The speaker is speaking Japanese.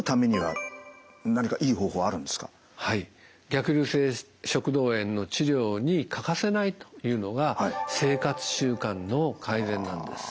逆流性食道炎の治療に欠かせないというのが生活習慣の改善なんです。